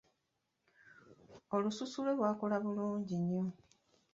Olususu lwe lwakula bulungi nnyo.